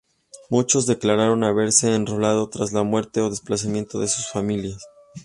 Muchos declararon haberse enrolado tras la muerte o desplazamiento de sus familias.